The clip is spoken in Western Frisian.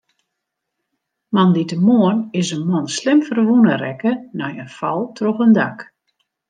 Moandeitemoarn is in man slim ferwûne rekke nei in fal troch in dak.